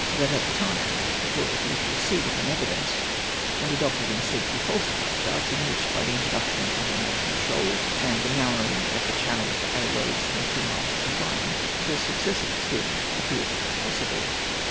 But at the time the court refused to receive it in evidence, and adopted instead two falsified charts, in which, by the introduction of imaginary shoals and the narrowing of the channel to Aix Roads from two miles to one, the success of the scheme appeared impossible.